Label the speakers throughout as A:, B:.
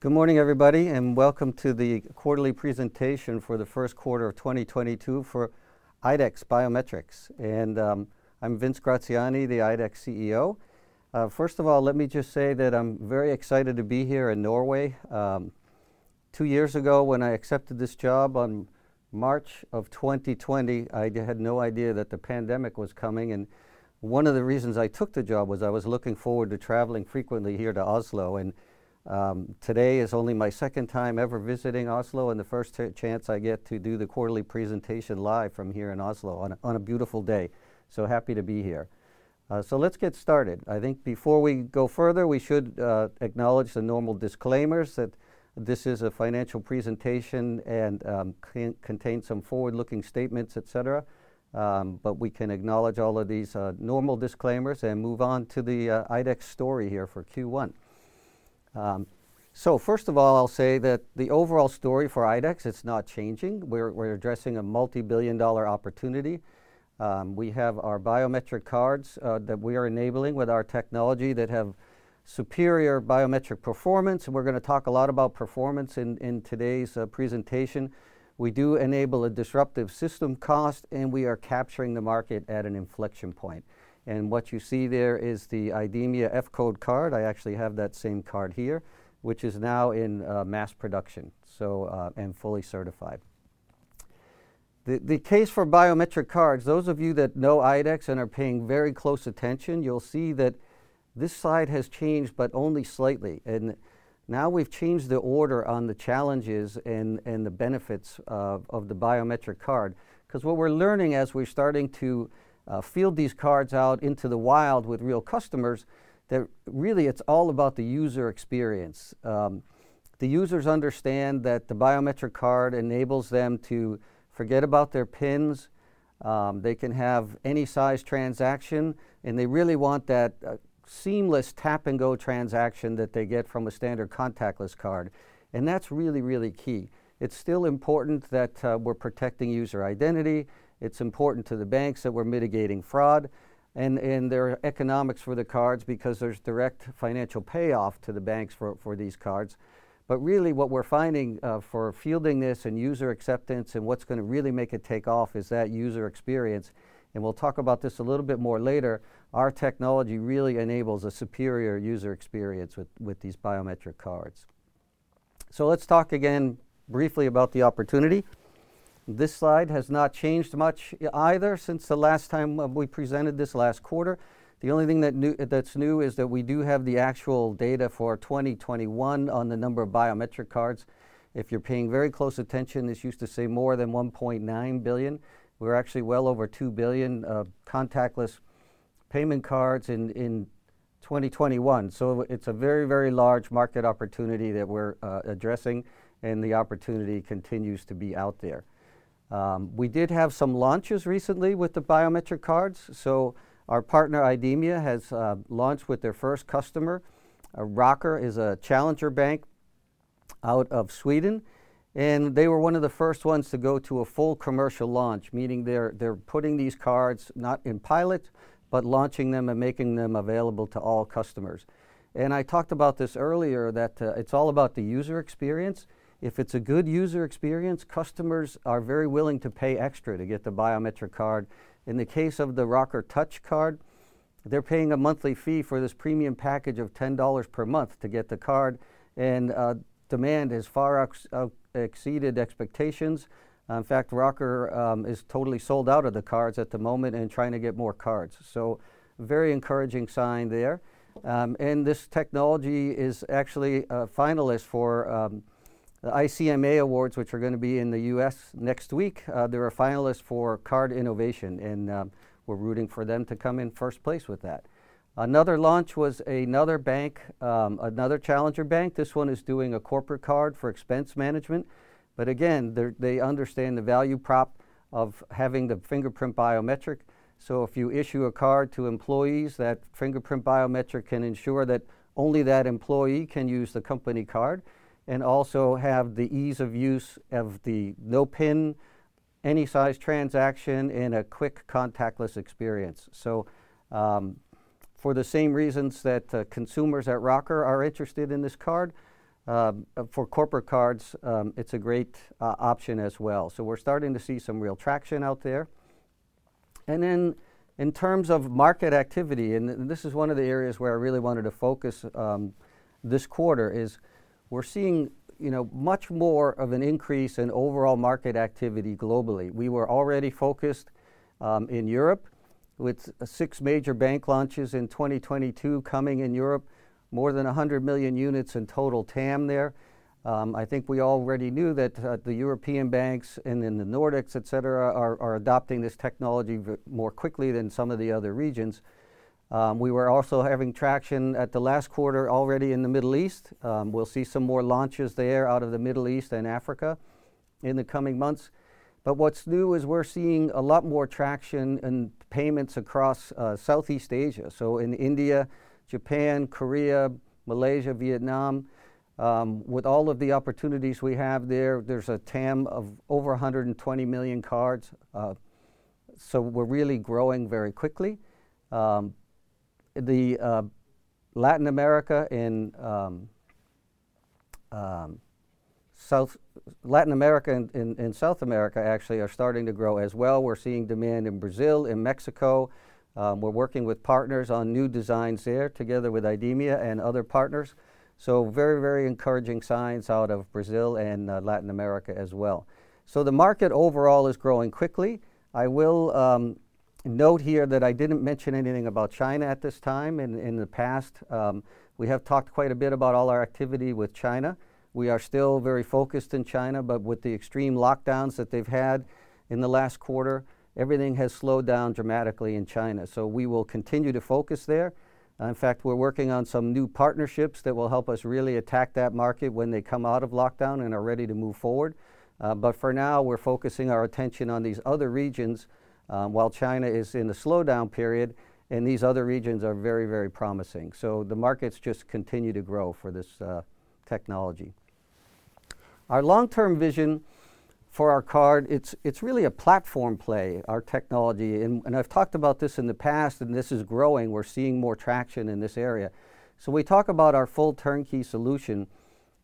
A: Good morning everybody, and welcome to the quarterly presentation for the first quarter of 2022 for IDEX Biometrics. I'm Vince Graziani, the IDEX CEO. First of all, let me just say that I'm very excited to be here in Norway. Two years ago, when I accepted this job on March of 2020, I had no idea that the pandemic was coming. One of the reasons I took the job was I was looking forward to traveling frequently here to Oslo. Today is only my second time ever visiting Oslo and the first chance I get to do the quarterly presentation live from here in Oslo on a beautiful day. Happy to be here. Let's get started. I think before we go further, we should acknowledge the normal disclaimers that this is a financial presentation and contains some forward-looking statements, et cetera. We can acknowledge all of these normal disclaimers and move on to the IDEX story here for Q1. First of all, I'll say that the overall story for IDEX, it's not changing. We're addressing a multi-billion dollar opportunity. We have our biometric cards that we are enabling with our technology that have superior biometric performance, and we're gonna talk a lot about performance in today's presentation. We do enable a disruptive system cost, and we are capturing the market at an inflection point. What you see there is the IDEMIA F.CODE card. I actually have that same card here, which is now in mass production, so and fully certified. The case for biometric cards, those of you that know IDEX and are paying very close attention, you'll see that this slide has changed, but only slightly. Now we've changed the order on the challenges and the benefits of the biometric card. 'Cause what we're learning as we're starting to field these cards out into the wild with real customers, that really, it's all about the user experience. The users understand that the biometric card enables them to forget about their PINs, they can have any size transaction, and they really want that seamless tap-and-go transaction that they get from a standard contactless card. That's really, really key. It's still important that we're protecting user identity. It's important to the banks that we're mitigating fraud, and there are economics for the cards because there's direct financial payoff to the banks for these cards. Really what we're finding for fielding this and user acceptance and what's gonna really make it take off is that user experience, and we'll talk about this a little bit more later. Our technology really enables a superior user experience with these biometric cards. Let's talk again briefly about the opportunity. This slide has not changed much either since the last time we presented this last quarter. The only thing that's new is that we do have the actual data for 2021 on the number of biometric cards. If you're paying very close attention, this used to say more than 1.9 billion. We're actually well over 2 billion contactless payment cards in 2021. It's a very large market opportunity that we're addressing, and the opportunity continues to be out there. We did have some launches recently with the biometric cards. Our partner, IDEMIA, has launched with their first customer. Rocker is a challenger bank out of Sweden, and they were one of the first ones to go to a full commercial launch, meaning they're putting these cards not in pilot, but launching them and making them available to all customers. I talked about this earlier that it's all about the user experience. If it's a good user experience, customers are very willing to pay extra to get the biometric card. In the case of the Rocker Touch card, they're paying a monthly fee for this premium package of $10 per month to get the card, and demand has exceeded expectations. In fact, Rocker is totally sold out of the cards at the moment and trying to get more cards. Very encouraging sign there. This technology is actually a finalist for the ICMA Awards, which are gonna be in the U.S. next week. They're a finalist for card innovation, and we're rooting for them to come in first place with that. Another launch was another bank, another challenger bank. This one is doing a corporate card for expense management. Again, they understand the value prop of having the fingerprint biometric. If you issue a card to employees, that fingerprint biometric can ensure that only that employee can use the company card and also have the ease of use of the no PIN, any size transaction, and a quick contactless experience. For the same reasons that consumers at Rocker are interested in this card, for corporate cards, it's a great option as well. We're starting to see some real traction out there. In terms of market activity, and this is one of the areas where I really wanted to focus this quarter, is we're seeing you know much more of an increase in overall market activity globally. We were already focused in Europe with 6 major bank launches in 2022 coming in Europe, more than 100 million units in total TAM there. I think we already knew that the European banks and then the Nordics, et cetera, are adopting this technology more quickly than some of the other regions. We were also having traction in the last quarter already in the Middle East. We'll see some more launches there out of the Middle East and Africa in the coming months. What's new is we're seeing a lot more traction in payments across Southeast Asia. In India, Japan, Korea, Malaysia, Vietnam, with all of the opportunities we have there's a TAM of over 120 million cards. We're really growing very quickly. Latin America and South America actually are starting to grow as well. We're seeing demand in Brazil, in Mexico. We're working with partners on new designs there together with IDEMIA and other partners. Very, very encouraging signs out of Brazil and Latin America as well. The market overall is growing quickly. I will note here that I didn't mention anything about China at this time. In the past, we have talked quite a bit about all our activity with China. We are still very focused in China, but with the extreme lockdowns that they've had in the last quarter, everything has slowed down dramatically in China. We will continue to focus there. In fact, we're working on some new partnerships that will help us really attack that market when they come out of lockdown and are ready to move forward. For now, we're focusing our attention on these other regions, while China is in a slowdown period, and these other regions are very, very promising. The markets just continue to grow for this technology. Our long-term vision for our card, it's really a platform play, our technology, and I've talked about this in the past, and this is growing. We're seeing more traction in this area. We talk about our full turnkey solution.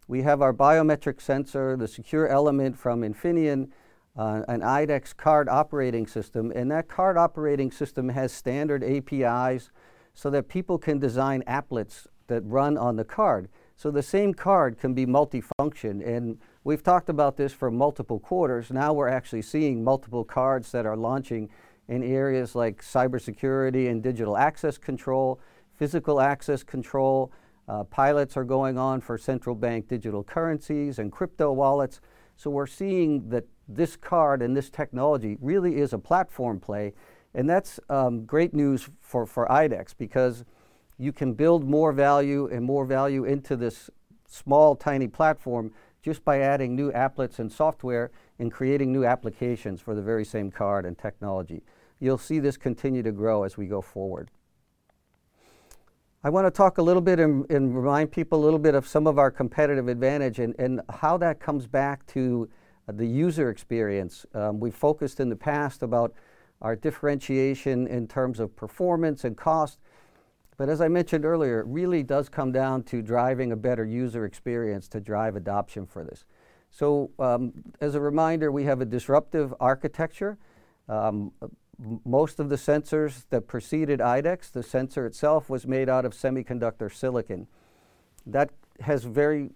A: We have our biometric sensor, the secure element from Infineon, an IDEX card operating system, and that card operating system has standard APIs so that people can design applets that run on the card. The same card can be multifunction. We've talked about this for multiple quarters. Now we're actually seeing multiple cards that are launching in areas like cybersecurity and digital access control, physical access control. Pilots are going on for central bank digital currencies and crypto wallets. We're seeing that this card and this technology really is a platform play, and that's great news for IDEX because you can build more value and more value into this small, tiny platform just by adding new applets and software and creating new applications for the very same card and technology. You'll see this continue to grow as we go forward. I wanna talk a little bit and remind people a little bit of some of our competitive advantage and how that comes back to the user experience. We focused in the past about our differentiation in terms of performance and cost. As I mentioned earlier, it really does come down to driving a better user experience to drive adoption for this. As a reminder, we have a disruptive architecture. Most of the sensors that preceded IDEX, the sensor itself was made out of semiconductor silicon. That has very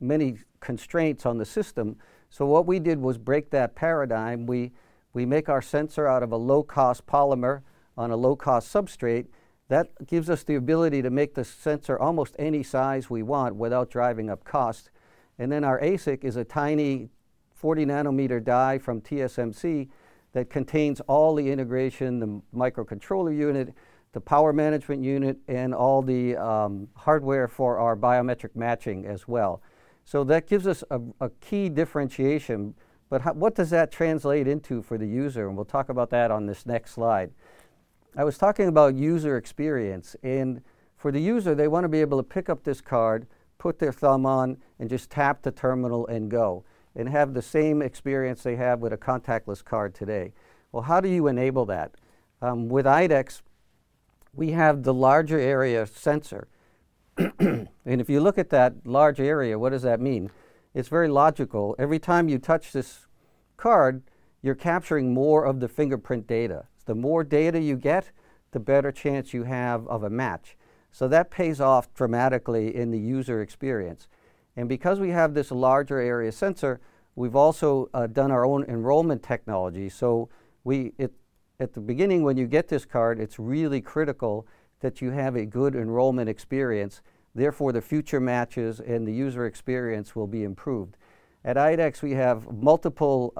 A: many constraints on the system. What we did was break that paradigm. We make our sensor out of a low-cost polymer on a low-cost substrate. That gives us the ability to make the sensor almost any size we want without driving up cost. Then our ASIC is a tiny 40 nm die from TSMC that contains all the integration, the microcontroller unit, the power management unit, and all the hardware for our biometric matching as well. That gives us a key differentiation. What does that translate into for the user? We'll talk about that on this next slide. I was talking about user experience. For the user, they wanna be able to pick up this card, put their thumb on, and just tap the terminal and go and have the same experience they have with a contactless card today. Well, how do you enable that? With IDEX, we have the larger area sensor. If you look at that large area, what does that mean? It's very logical. Every time you touch this card, you're capturing more of the fingerprint data. The more data you get, the better chance you have of a match. So that pays off dramatically in the user experience. Because we have this larger area sensor, we've also done our own enrollment technology. At the beginning, when you get this card, it's really critical that you have a good enrollment experience, therefore, the future matches and the user experience will be improved. At IDEX, we have multiple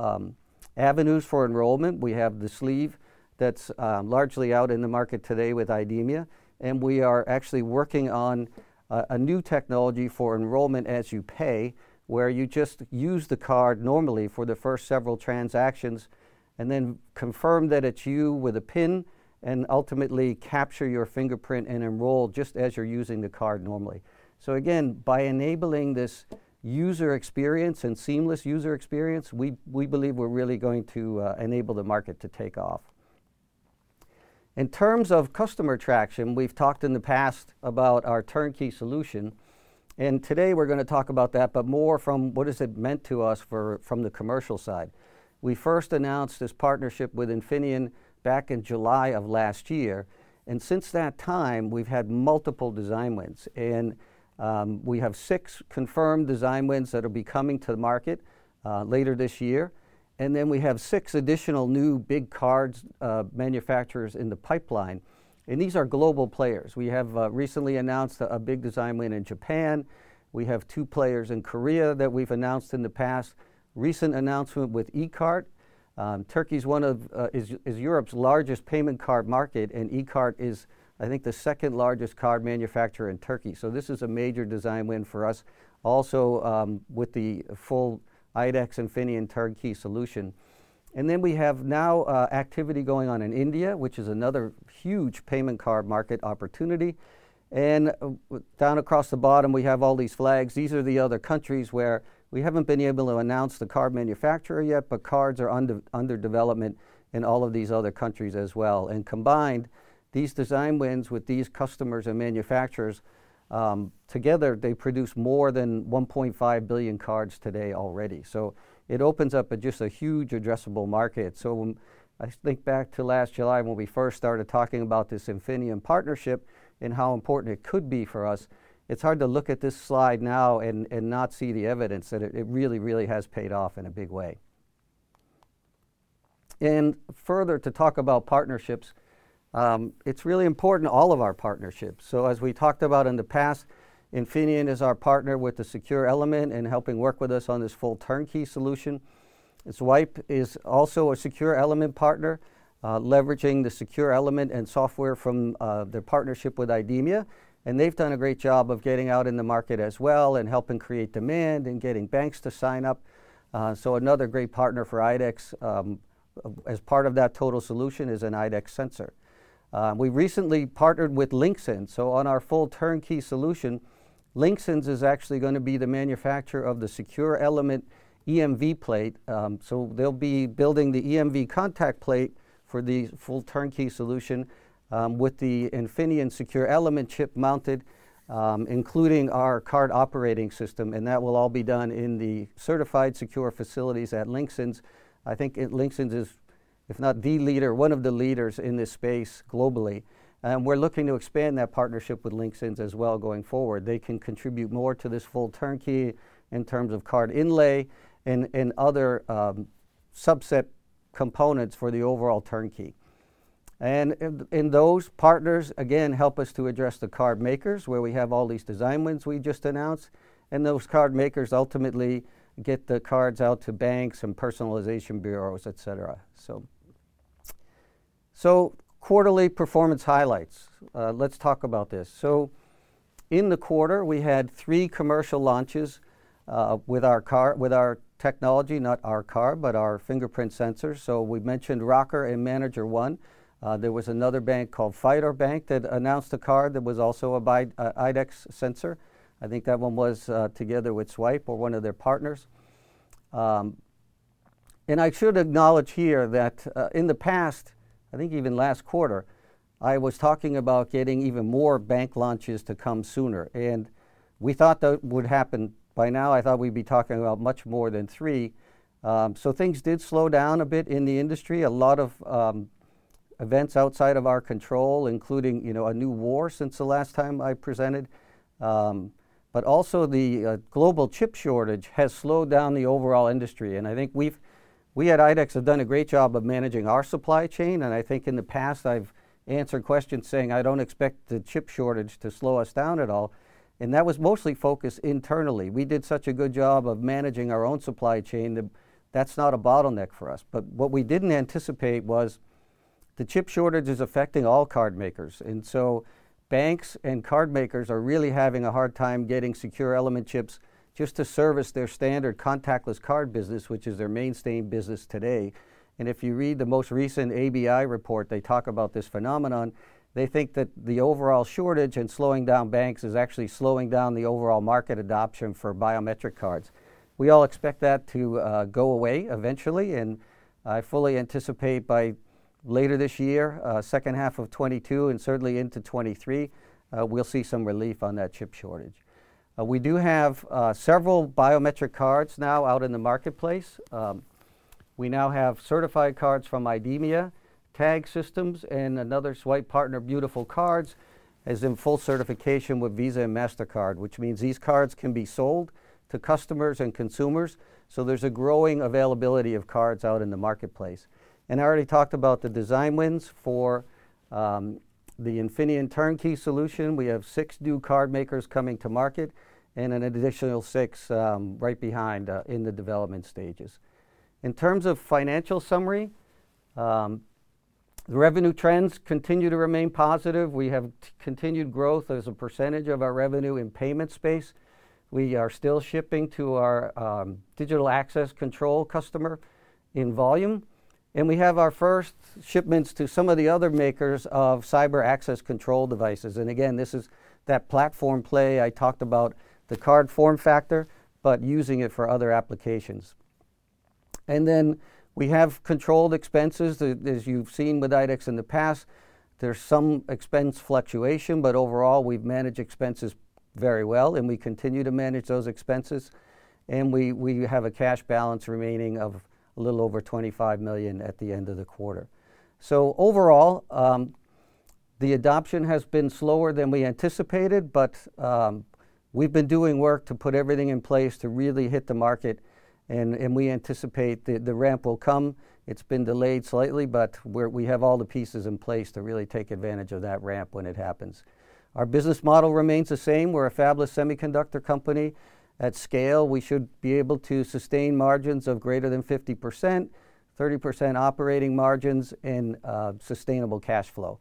A: avenues for enrollment. We have the sleeve that's largely out in the market today with IDEMIA, and we are actually working on a new technology for enrollment as you pay, where you just use the card normally for the first several transactions and then confirm that it's you with a PIN and ultimately capture your fingerprint and enroll just as you're using the card normally. Again, by enabling this user experience and seamless user experience, we believe we're really going to enable the market to take off. In terms of customer traction, we've talked in the past about our turnkey solution, and today we're gonna talk about that, but more from what it has meant to us from the commercial side. We first announced this partnership with Infineon back in July of last year, and since that time, we've had multiple design wins. We have six confirmed design wins that'll be coming to the market later this year. We have six additional new big card manufacturers in the pipeline, and these are global players. We have recently announced a big design win in Japan. We have two players in Korea that we've announced in the past. Recent announcement with E-KART. Turkey is one of Europe's largest payment card market, and E-KART is, I think, the second largest card manufacturer in Turkey. This is a major design win for us also, with the full IDEX Infineon turnkey solution. Then we have now activity going on in India, which is another huge payment card market opportunity. Down across the bottom, we have all these flags. These are the other countries where we haven't been able to announce the card manufacturer yet, but cards are under development in all of these other countries as well. Combined, these design wins with these customers and manufacturers, together they produce more than 1.5 billion cards today already. It opens up a just a huge addressable market. When I think back to last July when we first started talking about this Infineon partnership and how important it could be for us, it's hard to look at this slide now and not see the evidence that it really has paid off in a big way. Further to talk about partnerships, it's really important all of our partnerships. As we talked about in the past, Infineon is our partner with the secure element and helping work with us on this full turnkey solution. Zwipe is also a secure element partner, leveraging the secure element and software from their partnership with IDEMIA. They've done a great job of getting out in the market as well and helping create demand and getting banks to sign up. Another great partner for IDEX, as part of that total solution is an IDEX sensor. We recently partnered with Linxens. On our full turnkey solution, Linxens is actually gonna be the manufacturer of the secure element EMV plate. They'll be building the EMV contact plate for the full turnkey solution, with the Infineon secure element chip mounted, including our card operating system. That will all be done in the certified secure facilities at Linxens. I think Linxens is, if not the leader, one of the leaders in this space globally. We're looking to expand that partnership with Linxens as well going forward. They can contribute more to this full turnkey in terms of card inlay and other subset components for the overall turnkey. Those partners, again, help us to address the card makers where we have all these design wins we just announced, and those card makers ultimately get the cards out to banks and personalization bureaus, et cetera. Quarterly performance highlights. Let's talk about this. In the quarter, we had three commercial launches with our technology, not our car, but our fingerprint sensors. We mentioned Rocker and manager.one. There was another bank called Fidor Bank that announced a card that was also an IDEX sensor. I think that one was together with Zwipe or one of their partners. I should acknowledge here that, in the past, I think even last quarter, I was talking about getting even more bank launches to come sooner. We thought that would happen by now. I thought we'd be talking about much more than three. Things did slow down a bit in the industry. A lot of events outside of our control, including, you know, a new war since the last time I presented. Also, the global chip shortage has slowed down the overall industry. I think we at IDEX have done a great job of managing our supply chain. I think in the past, I've answered questions saying I don't expect the chip shortage to slow us down at all. That was mostly focused internally. We did such a good job of managing our own supply chain that that's not a bottleneck for us. What we didn't anticipate was the chip shortage is affecting all card makers. Banks and card makers are really having a hard time getting secure element chips just to service their standard contactless card business, which is their mainstay business today. If you read the most recent ABI report, they talk about this phenomenon. They think that the overall shortage and slowing down banks is actually slowing down the overall market adoption for biometric cards. We all expect that to go away eventually, and I fully anticipate by later this year, second half of 2022 and certainly into 2023, we'll see some relief on that chip shortage. We do have several biometric cards now out in the marketplace. We now have certified cards from IDEMIA, TAG Systems, and another Zwipe partner, Beautiful Card Corporation, is in full certification with Visa and Mastercard, which means these cards can be sold to customers and consumers. There's a growing availability of cards out in the marketplace. I already talked about the design wins for the Infineon turnkey solution. We have six new card makers coming to market and an additional six right behind in the development stages. In terms of financial summary, the revenue trends continue to remain positive. We have continued growth as a percentage of our revenue in payment space. We are still shipping to our digital access control customer in volume, and we have our first shipments to some of the other makers of cyber access control devices. Again, this is that platform play I talked about, the card form factor, but using it for other applications. Then we have controlled expenses. As you've seen with IDEX in the past, there's some expense fluctuation, but overall, we've managed expenses very well, and we continue to manage those expenses. We have a cash balance remaining of a little over $25 million at the end of the quarter. Overall, the adoption has been slower than we anticipated, but we've been doing work to put everything in place to really hit the market and we anticipate the ramp will come. It's been delayed slightly, but we have all the pieces in place to really take advantage of that ramp when it happens. Our business model remains the same. We're a fabless semiconductor company. At scale, we should be able to sustain margins of greater than 50%, 30% operating margins in sustainable cash flow.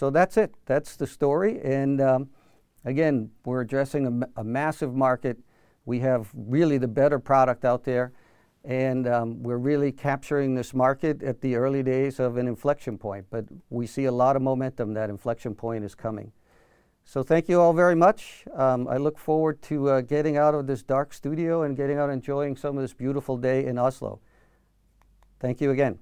A: That's it. That's the story. Again, we're addressing a massive market. We have really the better product out there, and we're really capturing this market at the early days of an inflection point. We see a lot of momentum. That inflection point is coming. Thank you all very much. I look forward to getting out of this dark studio and getting out enjoying some of this beautiful day in Oslo. Thank you again.